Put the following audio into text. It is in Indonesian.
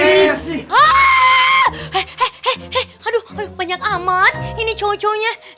eh eh eh aduh banyak aman ini cowok cowoknya